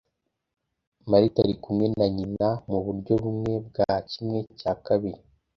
Martha ari kumwe na nyina muburyo bumwe bwa kimwe cya kabiri.